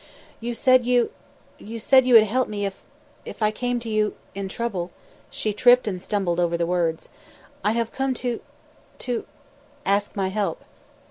"You said you you would help me if I came to you in trouble." She tripped and stumbled over the words. "I have come to to " "Ask my help."